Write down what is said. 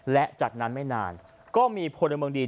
และจากนั้นไม่นานก็มีพลเมืองดี